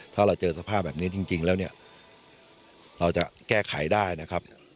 ถ้าเราเจอสภาพแบบนี้จริงแล้วเนี่ยเราจะแก้ไขได้นะครับ